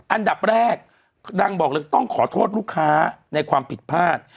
อันดับแรกดังบอกเลยต้องขอโทษลูกค้าในความผิดพลาด